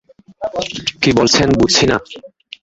কী বলছেন বুঝছি না।